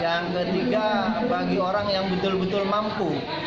yang ketiga bagi orang yang betul betul mampu